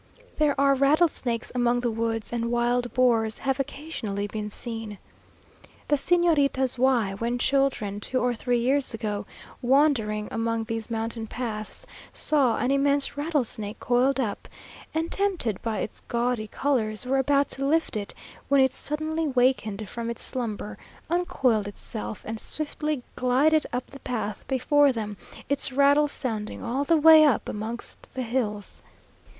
There are rattlesnakes among the woods, and wild boars have occasionally been seen. The Señoritas Y , when children, two or three years ago, wandering among these mountain paths, saw an immense rattlesnake coiled up, and tempted by its gaudy colours, were about to lift it, when it suddenly wakened from its slumber, uncoiled itself, and swiftly glided up the path before them, its rattles sounding all the way up amongst the hills.